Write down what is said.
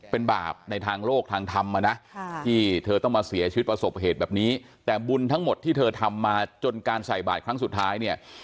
เป็นบาปในทางโลกทางธรรมอ่ะนะที่เธอต้องมาเสียชีวิตประสบเหตุแบบนี้แต่บุญทั้งหมดที่เธอทำมาจนการใส่บาทครั้งสุดท้ายเนี่ย